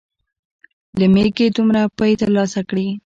له مېږې دومره پۍ تر لاسه کړې.